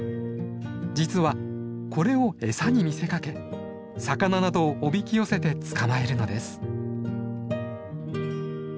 実はこれを餌に見せかけ魚などをおびき寄せて捕まえるのです。